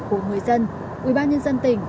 của người dân ủy ban nhân dân tỉnh